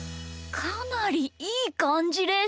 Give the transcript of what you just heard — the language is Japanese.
かなりいいかんじです！